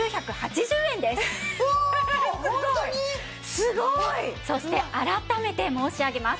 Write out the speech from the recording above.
すごい！そして改めて申し上げます。